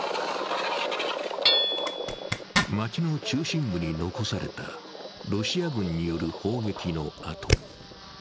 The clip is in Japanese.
街の中心部に残されたロシア軍による砲撃の痕。